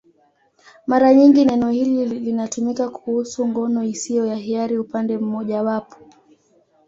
Mara nyingi neno hili linatumika kuhusu ngono isiyo ya hiari upande mmojawapo.